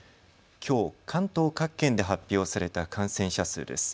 きょう関東各県で発表された感染者数です。